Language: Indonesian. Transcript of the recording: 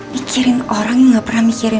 mikirin orang yang gak pernah mikirin